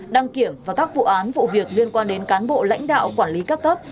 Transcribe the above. đăng kiểm và các vụ án vụ việc liên quan đến cán bộ lãnh đạo quản lý các cấp